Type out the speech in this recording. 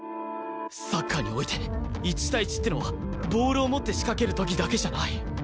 サッカーにおいて１対１ってのはボールを持って仕掛ける時だけじゃない